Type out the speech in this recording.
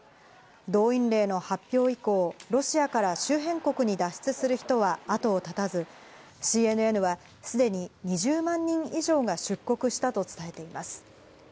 動員令の発表以降、ロシアから周辺国に脱出する人は後を絶たず、ＣＮＮはすでに２０万人以上が出国したと伝えています。